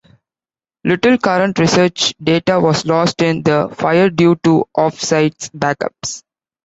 Little current research data was lost in the fire due to offsite backups.